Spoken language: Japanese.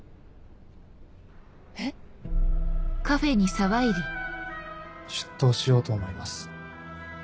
えっ？出頭しようと思います。